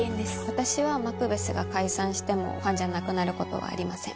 私はマクベスが解散してもファンじゃなくなることはありません。